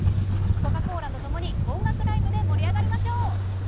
コカ・コーラとともに音楽ＬＩＶＥで盛り上がりましょう！